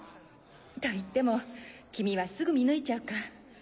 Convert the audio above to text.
といっても君はすぐ見抜いちゃうか。